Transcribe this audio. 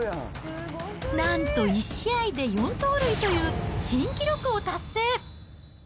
なんと１試合で４盗塁という新記録を達成。